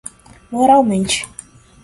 moralmente